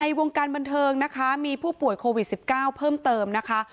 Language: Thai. วงการบันเทิงนะคะมีผู้ป่วยโควิด๑๙เพิ่มเติมนะคะ